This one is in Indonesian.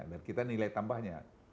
dan kita nilai tambahnya